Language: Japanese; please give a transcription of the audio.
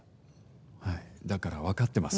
はいだから分かってます。